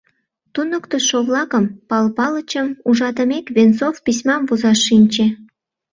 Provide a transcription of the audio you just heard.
Туныктышо-влакым, Пал Палычым ужатымек, Венцов письмам возаш шинче.